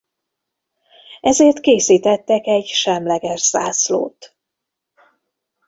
Ezért készítettek egy semleges zászlót.